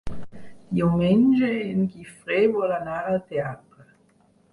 Diumenge en Guifré vol anar al teatre.